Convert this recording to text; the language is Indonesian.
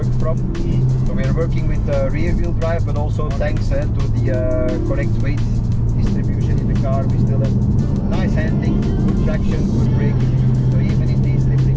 kita bekerja dengan pengendali belakang tapi juga berkaitan dengan distribusi berat yang tepat di mobil